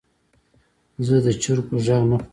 زه د چرګو غږ نه خوښوم.